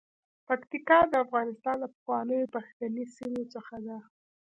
پکتیکا د افغانستان له پخوانیو پښتني سیمو څخه ده.